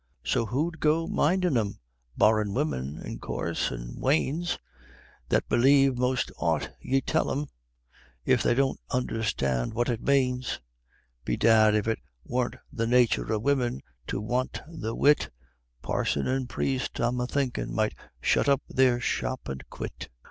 So who'd go mindin' o' thim? barrin' women, in coorse, an' wanes, That believe 'most aught ye tell thim, if they don't understand what it manes Bedad, if it worn't the nathur o' women to want the wit, Parson and Priest I'm a thinkin' might shut up their shop an' quit.